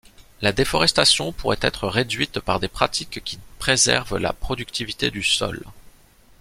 La déforestation pourrait être réduite par des pratiques qui préservent la productivité du sol.